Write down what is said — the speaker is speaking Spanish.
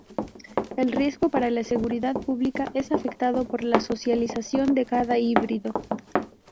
El riesgo para la seguridad pública es afectado por la socialización de cada híbrido.